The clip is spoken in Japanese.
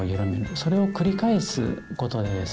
それを繰り返すことでですね